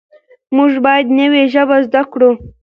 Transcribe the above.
موږ باید نوې ژبې زده کړو.